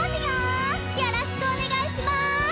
よろしくお願いします！